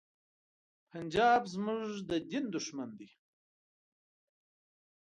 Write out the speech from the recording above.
پنجاب زمونږ د دین دښمن دی.